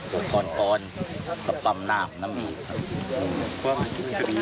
ปรากฏปอนด์กับปรำนาคมน้ำมีก